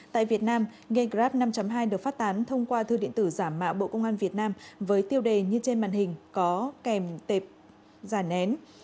tại việt nam gap năm hai được phát tán thông qua thư điện tử giả mạo bộ công an việt nam với tiêu đề như trên màn hình có kèm tệp giả nén